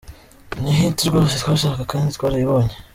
Ni hit rwose twashakaga kandi twarayibonye.